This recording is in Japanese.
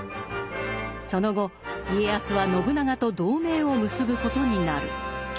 その後家康は信長と同盟を結ぶことになる。